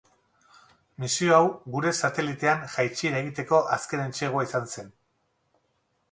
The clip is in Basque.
Misio hau gure satelitean jaitsiera egiteko azken entsegua izan zen.